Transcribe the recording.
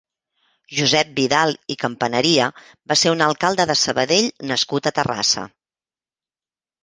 Josep Vidal i Campaneria va ser un alcalde de Sabadell nascut a Terrassa.